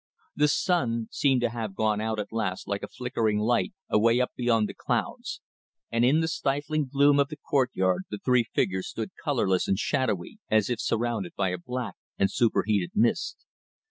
The sun seemed to have gone out at last like a flickering light away up beyond the clouds, and in the stifling gloom of the courtyard the three figures stood colourless and shadowy, as if surrounded by a black and superheated mist.